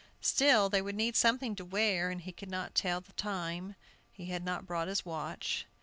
Still, they would need something to wear, and he could not tell the time. He had not brought his watch.